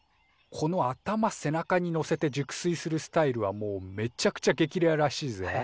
この頭背中にのせて熟睡するスタイルはもうめちゃくちゃ激レアらしいぜ。